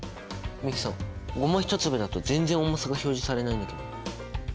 美樹さんゴマ１粒だと全然重さが表示されないんだけど。